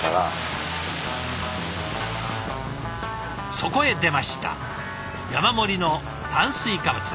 そこへ出ました山盛りの炭水化物。